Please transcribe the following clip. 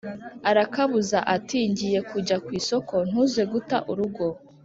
Arakabuza ati: ngiye kujya kwisoko ntuze guta urugo